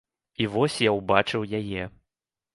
І вось я ўбачыў яе.